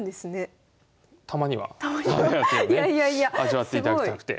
味わっていただきたくて。